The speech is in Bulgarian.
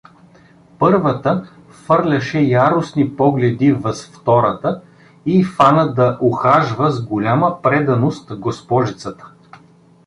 Първата фърляше яростни погледи въз втората и фана да „ухажва“ с голяма преданост госпожицата.